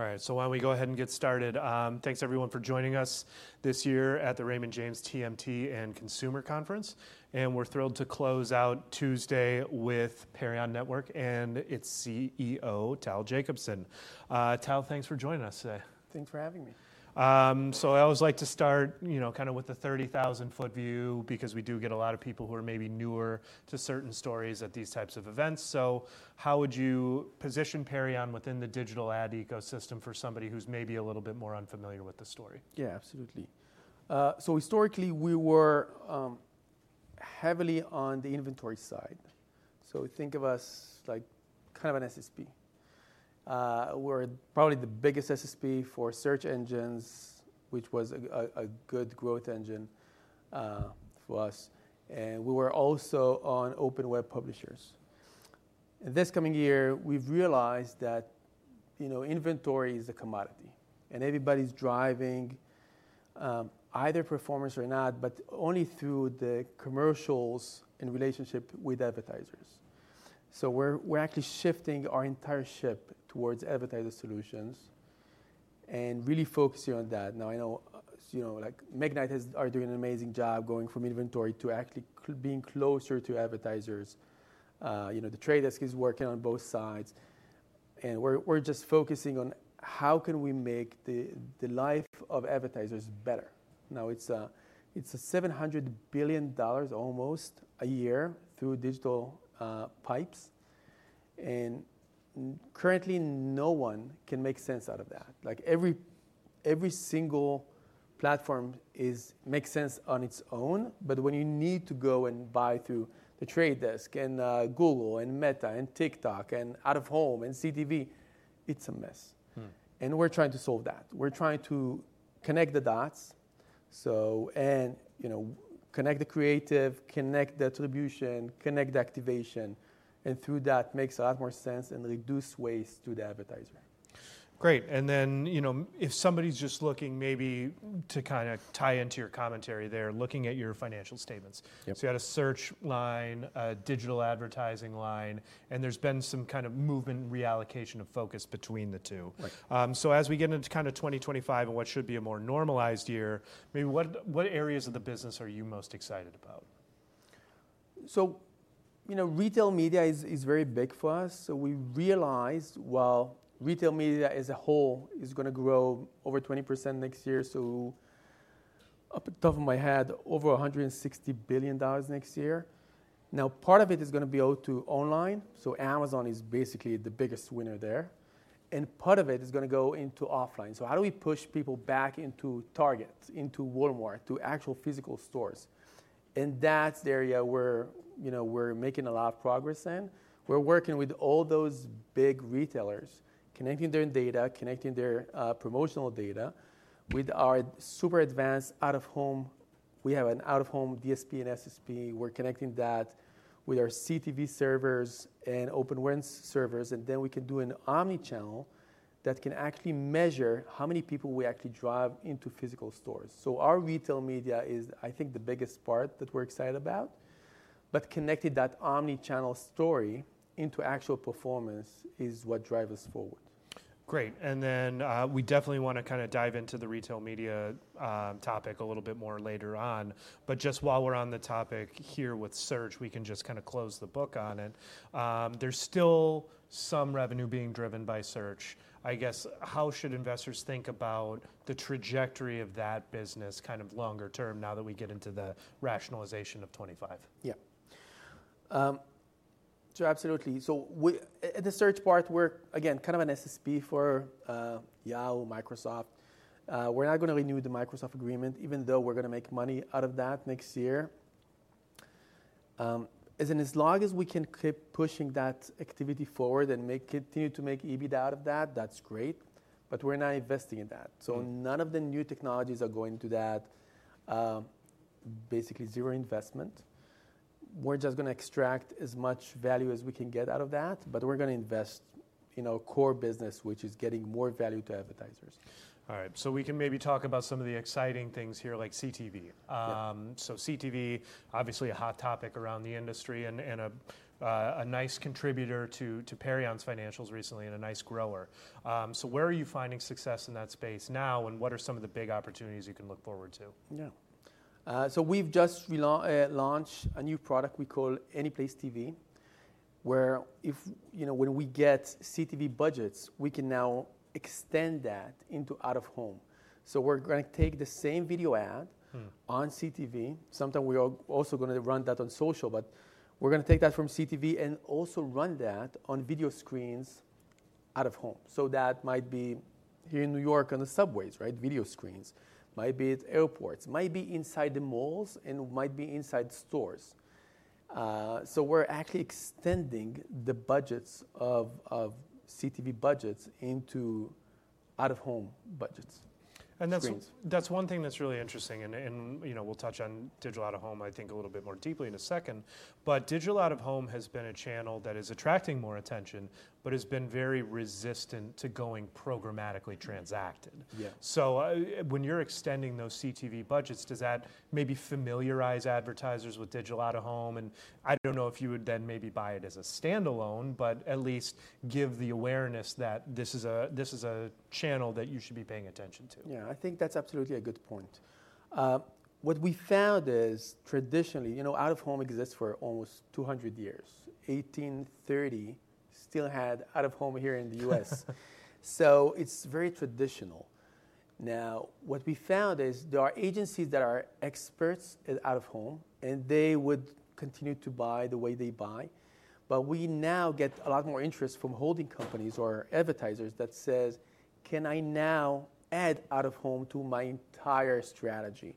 All right, so why don't we go ahead and get started. Thanks, everyone, for joining us this year at the Raymond James TMT and Consumer Conference. And we're thrilled to close out Tuesday with Perion Network and its CEO, Tal Jacobson. Tal, thanks for joining us today. Thanks for having me. I always like to start, you know, kind of with the 30,000-foot view, because we do get a lot of people who are maybe newer to certain stories at these types of events. How would you position Perion within the digital ad ecosystem for somebody who's maybe a little bit more unfamiliar with the story? Yeah, absolutely. So historically, we were heavily on the inventory side. So think of us like kind of an SSP. We're probably the biggest SSP for search engines, which was a good growth engine for us. And we were also on open web publishers. And this coming year, we've realized that, you know, inventory is a commodity. And everybody's driving either performance or not, but only through the commercials in relationship with advertisers. So we're actually shifting our entire ship towards advertiser solutions and really focusing on that. Now, I know, you know, like Magnite are doing an amazing job going from inventory to actually being closer to advertisers. You know, The Trade Desk is working on both sides. And we're just focusing on how can we make the life of advertisers better. Now, it's a $700 billion almost a year through digital pipes. Currently, no one can make sense out of that. Like every single platform makes sense on its own. When you need to go and buy through The Trade Desk and Google and Meta and TikTok and out-of-home and CTV, it's a mess. We're trying to solve that. We're trying to connect the dots, you know, connect the creative, connect the attribution, connect the activation. Through that, makes a lot more sense and reduces waste to the advertiser. Great. And then, you know, if somebody's just looking maybe to kind of tie into your commentary there, looking at your financial statements. So you had a search line, a digital advertising line. And there's been some kind of movement and reallocation of focus between the two. So as we get into kind of 2025 and what should be a more normalized year, maybe what areas of the business are you most excited about? So, you know, retail media is very big for us. So we realized, well, retail media as a whole is going to grow over 20% next year. So off the top of my head, over $160 billion next year. Now, part of it is going to be owed to online. So Amazon is basically the biggest winner there. And part of it is going to go into offline. So how do we push people back into Target, into Walmart, to actual physical stores? And that's the area where, you know, we're making a lot of progress in. We're working with all those big retailers, connecting their data, connecting their promotional data with our super advanced out-of-home. We have an out-of-home DSP and SSP. We're connecting that with our CTV servers and open web servers. Then we can do an omnichannel that can actually measure how many people we actually drive into physical stores. Our retail media is, I think, the biggest part that we're excited about. Connecting that omnichannel story into actual performance is what drives us forward. Great. And then we definitely want to kind of dive into the retail media topic a little bit more later on. But just while we're on the topic here with search, we can just kind of close the book on it. There's still some revenue being driven by search. I guess, how should investors think about the trajectory of that business kind of longer term now that we get into the rationalization of 2025? Yeah. So absolutely. So at the search part, we're, again, kind of an SSP for Yahoo, Microsoft. We're not going to renew the Microsoft agreement, even though we're going to make money out of that next year. As in, as long as we can keep pushing that activity forward and continue to make EBITDA out of that, that's great. But we're not investing in that. So none of the new technologies are going to that. Basically, zero investment. We're just going to extract as much value as we can get out of that. But we're going to invest in our core business, which is getting more value to advertisers. All right. So we can maybe talk about some of the exciting things here, like CTV. So CTV, obviously a hot topic around the industry and a nice contributor to Perion's financials recently and a nice grower. So where are you finding success in that space now, and what are some of the big opportunities you can look forward to? Yeah. So we've just launched a new product we call Anyplace TV, where, you know, when we get CTV budgets, we can now extend that into out-of-home. So we're going to take the same video ad on CTV. Sometimes we are also going to run that on social. But we're going to take that from CTV and also run that on video screens out-of-home. So that might be here in New York on the subways, right? Video screens. Might be at airports. Might be inside the malls and might be inside stores. So we're actually extending the budgets of CTV budgets into out-of-home budgets. That's one thing that's really interesting. You know, we'll touch on digital out-of-home, I think, a little bit more deeply in a second. Digital out-of-home has been a channel that is attracting more attention, but has been very resistant to going programmatically transacted. When you're extending those CTV budgets, does that maybe familiarize advertisers with digital out-of-home? I don't know if you would then maybe buy it as a standalone, but at least give the awareness that this is a channel that you should be paying attention to. Yeah, I think that's absolutely a good point. What we found is traditionally, you know, out-of-home exists for almost 200 years. 1830 still had out-of-home here in the U.S. So it's very traditional. Now, what we found is there are agencies that are experts at out-of-home, and they would continue to buy the way they buy. But we now get a lot more interest from holding companies or advertisers that says, can I now add out-of-home to my entire strategy?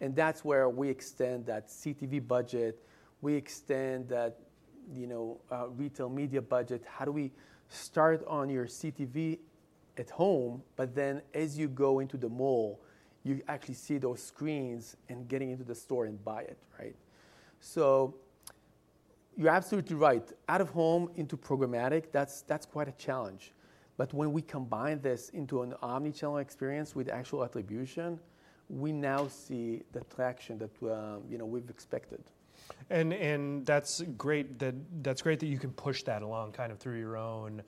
And that's where we extend that CTV budget. We extend that, you know, retail media budget. How do we start on your CTV at home, but then as you go into the mall, you actually see those screens and getting into the store and buy it, right? So you're absolutely right. Out-of-home into programmatic, that's quite a challenge. But when we combine this into an omnichannel experience with actual attribution, we now see the traction that, you know, we've expected. That's great that you can push that along kind of through your own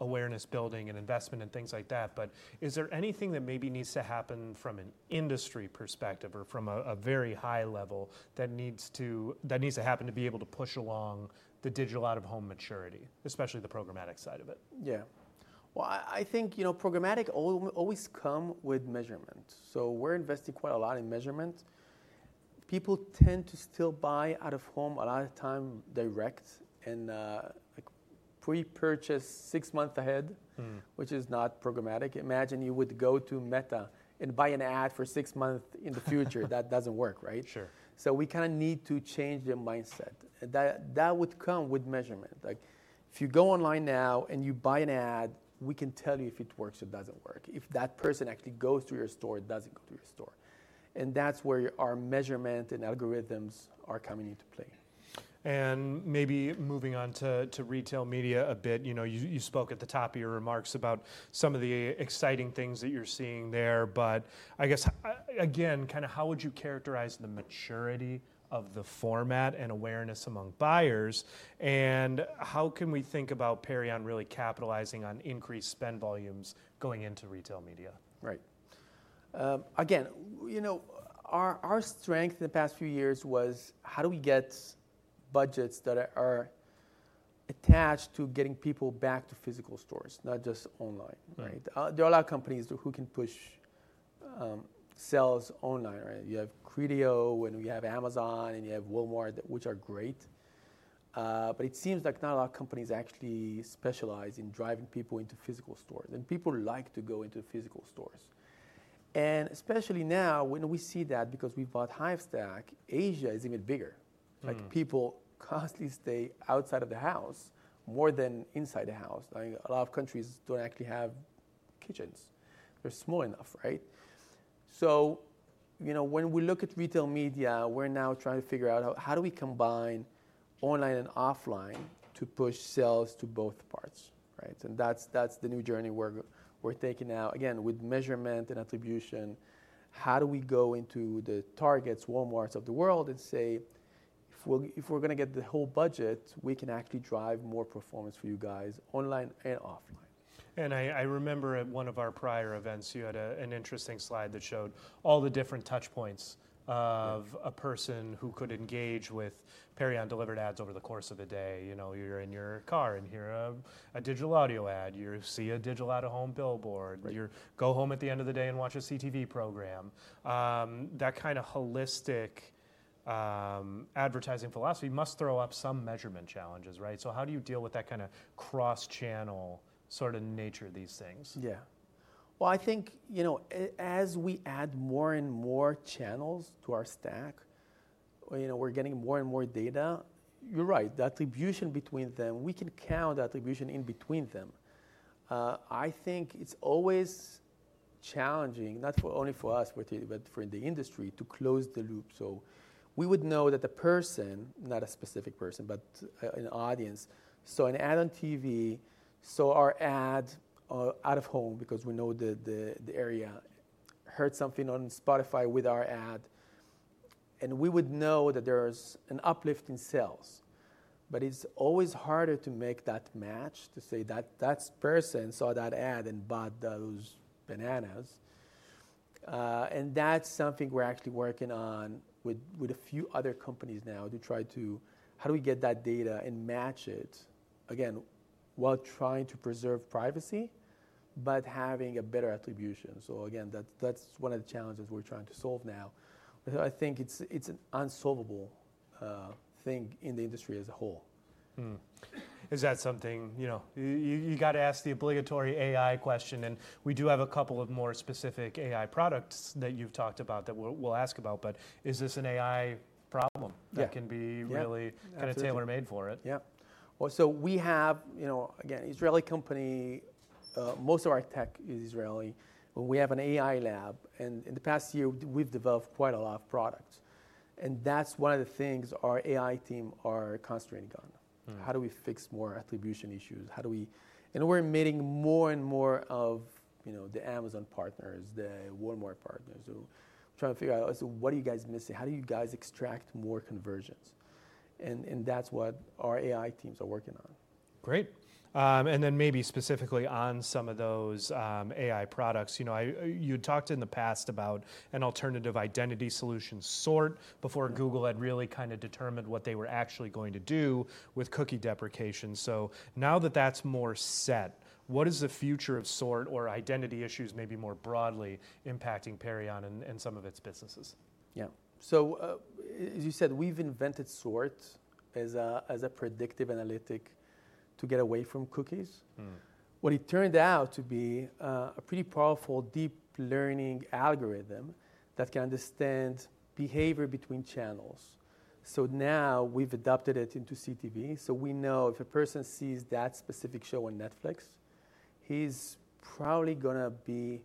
awareness building and investment and things like that. But is there anything that maybe needs to happen from an industry perspective or from a very high level that needs to happen to be able to push along the digital out-of-home maturity, especially the programmatic side of it? Yeah. Well, I think, you know, programmatic always comes with measurement. So we're investing quite a lot in measurement. People tend to still buy out-of-home a lot of time direct and pre-purchase six months ahead, which is not programmatic. Imagine you would go to Meta and buy an ad for six months in the future. That doesn't work, right? Sure. So we kind of need to change their mindset. That would come with measurement. Like if you go online now and you buy an ad, we can tell you if it works or doesn't work. If that person actually goes through your store, it doesn't go through your store. And that's where our measurement and algorithms are coming into play. And maybe moving on to retail media a bit, you know, you spoke at the top of your remarks about some of the exciting things that you're seeing there. But I guess, again, kind of how would you characterize the maturity of the format and awareness among buyers? And how can we think about Perion really capitalizing on increased spend volumes going into retail media? Right. Again, you know, our strength in the past few years was how do we get budgets that are attached to getting people back to physical stores, not just online, right? There are a lot of companies who can push sales online, right? You have Criteo, and you have Amazon, and you have Walmart, which are great. But it seems like not a lot of companies actually specialize in driving people into physical stores. And people like to go into physical stores. And especially now when we see that because we bought Hivestack, Asia is even bigger. Like people constantly stay outside of the house more than inside the house. A lot of countries don't actually have kitchens. They're small enough, right? So, you know, when we look at retail media, we're now trying to figure out how do we combine online and offline to push sales to both parts, right? And that's the new journey we're taking now. Again, with measurement and attribution, how do we go into the Targets, Walmarts of the world and say, if we're going to get the whole budget, we can actually drive more performance for you guys online and offline? And I remember at one of our prior events, you had an interesting slide that showed all the different touch points of a person who could engage with Perion delivered ads over the course of a day. You know, you're in your car and hear a digital audio ad. You see a digital out-of-home billboard. You go home at the end of the day and watch a CTV program. That kind of holistic advertising philosophy must throw up some measurement challenges, right? So how do you deal with that kind of cross-channel sort of nature of these things? Yeah. Well, I think, you know, as we add more and more channels to our stack, you know, we're getting more and more data. You're right. The attribution between them, we can count the attribution in between them. I think it's always challenging, not only for us, but for the industry to close the loop. So we would know that the person, not a specific person, but an audience. So an ad on TV, so our ad out-of-home because we know the area heard something on Spotify with our ad. And we would know that there's an uplift in sales. But it's always harder to make that match to say that that person saw that ad and bought those bananas. And that's something we're actually working on with a few other companies now to try to how do we get that data and match it, again, while trying to preserve privacy, but having a better attribution. So again, that's one of the challenges we're trying to solve now. I think it's an unsolvable thing in the industry as a whole. Is that something, you know, you got to ask the obligatory AI question? And we do have a couple of more specific AI products that you've talked about that we'll ask about. But is this an AI problem that can be really kind of tailor-made for it? Yeah. Well, so we have, you know, again, an Israeli company. Most of our tech is Israeli. We have an AI lab. And in the past year, we've developed quite a lot of products. And that's one of the things our AI team are concentrating on. How do we fix more attribution issues? How do we? And we're meeting more and more of, you know, the Amazon partners, the Walmart partners. So trying to figure out, what are you guys missing? How do you guys extract more conversions? And that's what our AI teams are working on. Great. And then maybe specifically on some of those AI products. You know, you had talked in the past about an alternative identity solution, SORT, before Google had really kind of determined what they were actually going to do with cookie deprecation. So now that that's more set, what is the future of SORT or identity issues maybe more broadly impacting Perion and some of its businesses? Yeah. So as you said, we've invented SORT as a predictive analytic to get away from cookies. What it turned out to be a pretty powerful deep learning algorithm that can understand behavior between channels. So now we've adopted it into CTV. So we know if a person sees that specific show on Netflix, he's probably going to be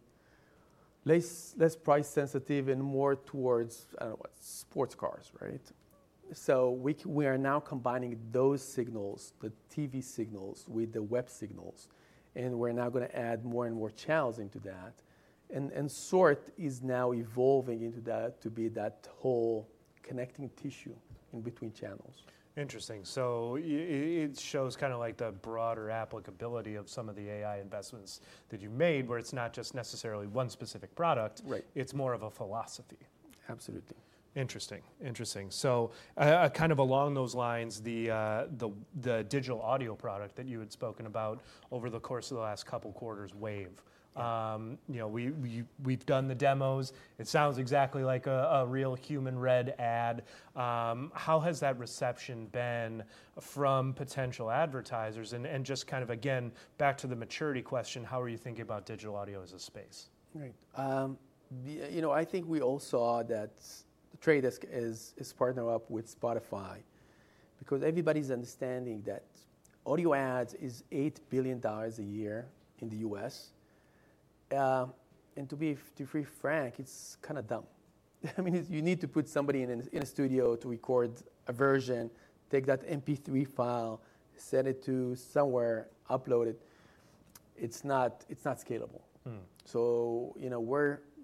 less price sensitive and more towards, I don't know, sports cars, right? So we are now combining those signals, the TV signals with the web signals. And we're now going to add more and more channels into that. And SORT is now evolving into that to be that whole connecting tissue in between channels. Interesting. So it shows kind of like the broader applicability of some of the AI investments that you made, where it's not just necessarily one specific product. It's more of a philosophy. Absolutely. Interesting. Interesting. So kind of along those lines, the digital audio product that you had spoken about over the course of the last couple quarters, Wave. You know, we've done the demos. It sounds exactly like a real human-read ad. How has that reception been from potential advertisers? And just kind of, again, back to the maturity question, how are you thinking about digital audio as a space? Right. You know, I think we all saw that The Trade Desk is partnering up with Spotify because everybody's understanding that audio ads is $8 billion a year in the U.S. And to be frank, it's kind of dumb. I mean, you need to put somebody in a studio to record a version, take that MP3 file, send it to somewhere, upload it. It's not scalable. So, you know,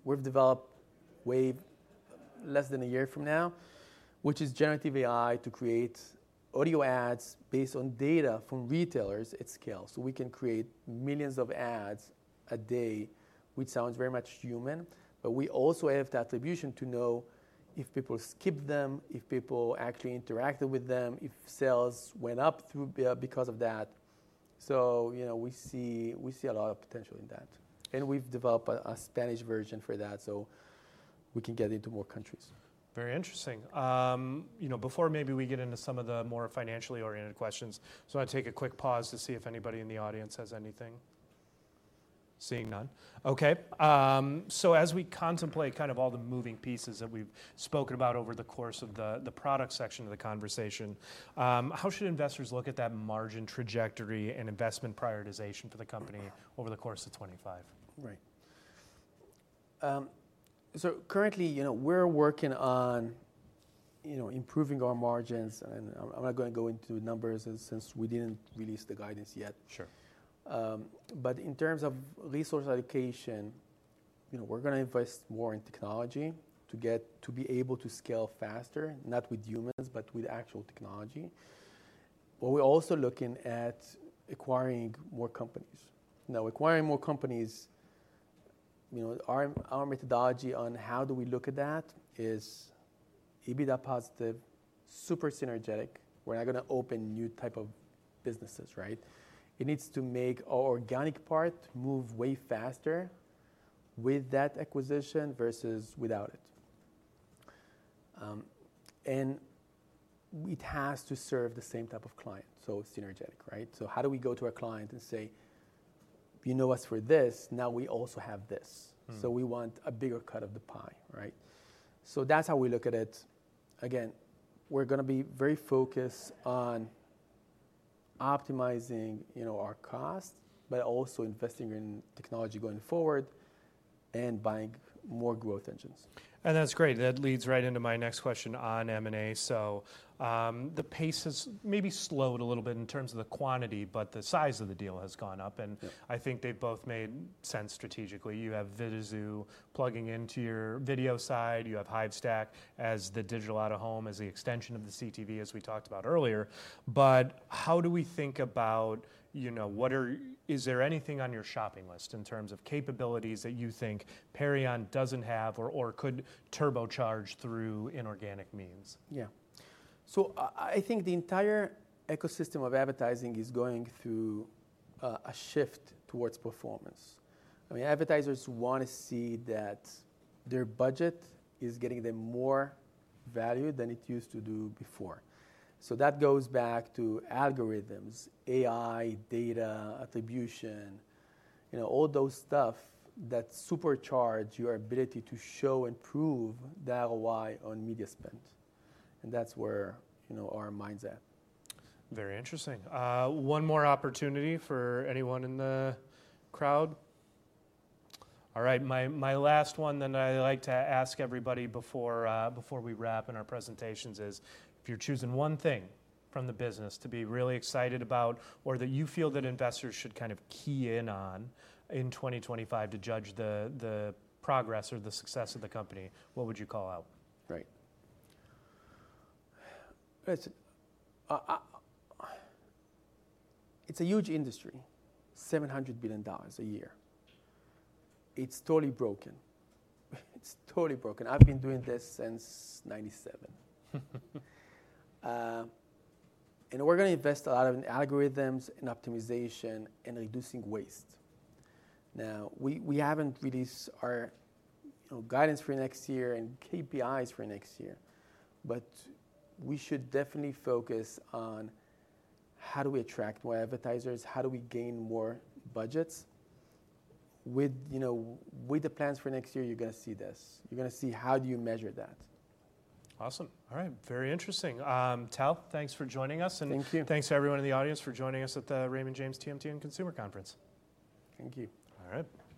we've developed Wave less than a year from now, which is generative AI to create audio ads based on data from retailers at scale. So we can create millions of ads a day, which sounds very much human. But we also have the attribution to know if people skip them, if people actually interacted with them, if sales went up because of that. So, you know, we see a lot of potential in that. We've developed a Spanish version for that so we can get into more countries. Very interesting. You know, before maybe we get into some of the more financially oriented questions, I just want to take a quick pause to see if anybody in the audience has anything. Seeing none. Okay. So as we contemplate kind of all the moving pieces that we've spoken about over the course of the product section of the conversation, how should investors look at that margin trajectory and investment prioritization for the company over the course of 2025? Right. So currently, you know, we're working on, you know, improving our margins. And I'm not going to go into numbers since we didn't release the guidance yet. Sure. But in terms of resource allocation, you know, we're going to invest more in technology to be able to scale faster, not with humans, but with actual technology. But we're also looking at acquiring more companies. Now, acquiring more companies, you know, our methodology on how do we look at that is EBITDA positive, super synergistic. We're not going to open new type of businesses, right? It needs to make our organic part move way faster with that acquisition versus without it. And it has to serve the same type of client. So synergistic, right? So how do we go to our client and say, you know us for this, now we also have this. So we want a bigger cut of the pie, right? So that's how we look at it. Again, we're going to be very focused on optimizing, you know, our cost, but also investing in technology going forward and buying more growth engines. And that's great. That leads right into my next question on M&A. So the pace has maybe slowed a little bit in terms of the quantity, but the size of the deal has gone up. And I think they've both made sense strategically. You have Vidazoo plugging into your video side. You have Hivestack as the digital out-of-home as the extension of the CTV, as we talked about earlier. But how do we think about, you know, is there anything on your shopping list in terms of capabilities that you think Perion doesn't have or could turbocharge through inorganic means? Yeah. So I think the entire ecosystem of advertising is going through a shift towards performance. I mean, advertisers want to see that their budget is getting them more value than it used to do before. So that goes back to algorithms, AI, data, attribution, you know, all those stuff that supercharge your ability to show and prove the ROI on media spend. And that's where, you know, our mind's at. Very interesting. One more opportunity for anyone in the crowd. All right. My last one that I like to ask everybody before we wrap up our presentations is if you're choosing one thing from the business to be really excited about or that you feel that investors should kind of key in on in 2025 to judge the progress or the success of the company, what would you call out? Right. It's a huge industry, $700 billion a year. It's totally broken. It's totally broken. I've been doing this since 1997, and we're going to invest a lot in algorithms and optimization and reducing waste. Now, we haven't released our guidance for next year and KPIs for next year, but we should definitely focus on how do we attract more advertisers, how do we gain more budgets. With the plans for next year, you're going to see this. You're going to see how do you measure that. Awesome. All right. Very interesting. Tal, thanks for joining us. Thank you. Thanks to everyone in the audience for joining us at the Raymond James TMT and Consumer Conference. Thank you. All right.